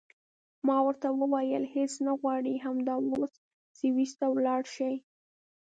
ما ورته وویل هېڅ نه غواړې همدا اوس سویس ته ولاړه شې.